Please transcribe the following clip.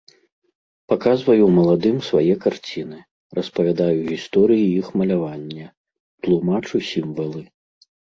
Паказваю маладым свае карціны, распавядаю гісторыі іх малявання, тлумачу сімвалы.